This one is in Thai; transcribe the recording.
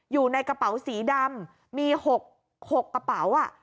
อยู่ในกระเป๋าสีดำมี๖กระเป๋า